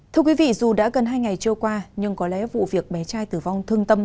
thưa quý vị dù đã gần hai ngày trôi qua nhưng có lẽ vụ việc bé trai tử vong thương tâm